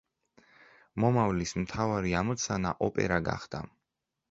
მომავლის მთავარი ამოცანა ოპერა გახდა.